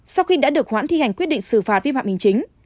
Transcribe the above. sau khi đã được khoản thi hành quyết định xử phạt vi phạm hình chính